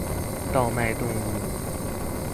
盜賣動物